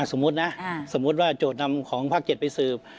สมมุตินะสมมุติว่าโจทย์นำของภาค๗ไปสืบ